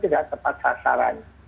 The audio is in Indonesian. tidak tepat sasaran